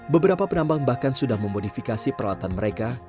beberapa penambang bahkan sudah memodifikasi peralatan mereka